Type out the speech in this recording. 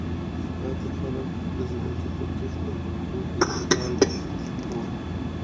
پاتې خلک د ځمکې په کښت او د اوبو په انتقال بوخت وو.